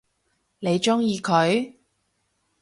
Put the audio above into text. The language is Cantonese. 你鍾意佢？